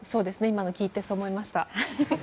今の聞いて、そう思いました。